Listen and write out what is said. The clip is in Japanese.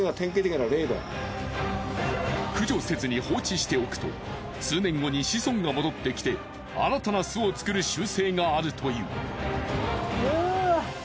駆除せずに放置しておくと数年後に子孫が戻ってきて新たな巣を作る習性があるという。